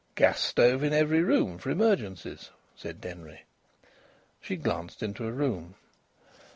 "Gas stove in every room for emergencies," said Denry. She glanced into a room.